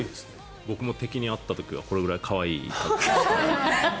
僕も敵に会った時はこれくらい可愛い威嚇を。